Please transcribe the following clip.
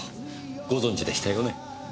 ご存じでしたよね？